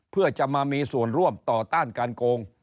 เพื่อจะมามีส่วนร่วมต่อต้านการโกง